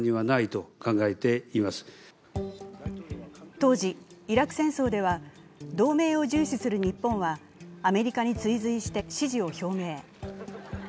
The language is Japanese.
当時、イラク戦争では同盟を重視する日本はアメリカに追随して支持を表明。